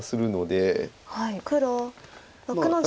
黒６の十六。